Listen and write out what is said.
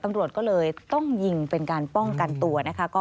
ตำรวจก็เลยต้องยิงเป็นการป้องกันตัวนะคะ